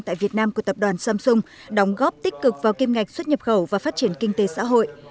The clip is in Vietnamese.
tại việt nam của tập đoàn samsung đóng góp tích cực vào kiêm ngạch xuất nhập khẩu và phát triển kinh tế xã hội